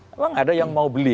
memang ada yang mau beli